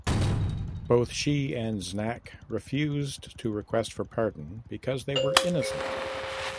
Both she and Znak refused to request for pardon because they were innocent.